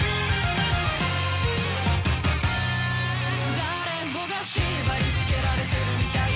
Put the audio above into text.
誰もが縛り付けられてるみたいだ